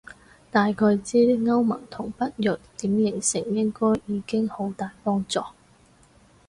大概知歐盟同北約點形成應該已經好大幫助